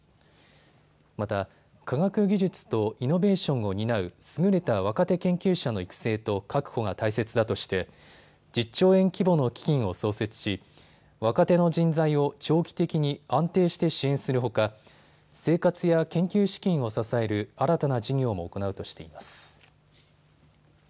また、科学技術とイノベーションを担う優れた若手研究者の育成と確保が大切だとして１０兆円規模の基金を創設し若手の人材を長期的に安定して支援するほか生活や研究資金を支える新たな事業も行うとしています。